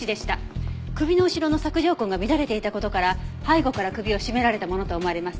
首の後ろの索条痕が乱れていた事から背後から首を絞められたものと思われます。